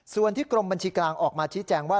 ส่วนที่กรมบัญชีกลางออกมาชี้แจงว่า